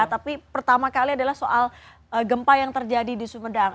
tapi pertama kali adalah soal gempa yang terjadi di sumedang